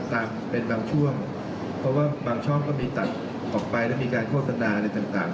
ตามเป็นบางช่วงเพราะว่าบางช่องก็มีตัดออกไปแล้วมีการโฆษณาอะไรต่าง